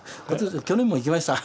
去年も行きました。